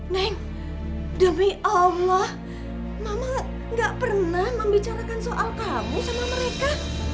neng demi allah mama gak pernah membicarakan soal kamu sama mereka